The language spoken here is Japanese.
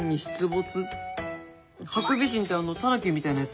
ハクビシンってあのたぬきみたいなやつ？